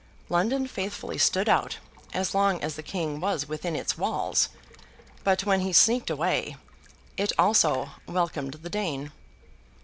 London faithfully stood out, as long as the King was within its walls; but, when he sneaked away, it also welcomed the Dane.